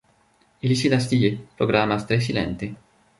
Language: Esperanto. Ili sidas tie, programas tre silente